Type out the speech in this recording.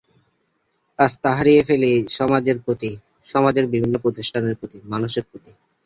আস্থা হারিয়ে ফেলি সমাজের প্রতি, সমাজের বিভিন্ন প্রতিষ্ঠানের প্রতি, মানুষের প্রতি।